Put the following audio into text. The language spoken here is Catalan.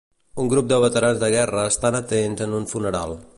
Un grup de veterans de guerra estan atents en un funeral.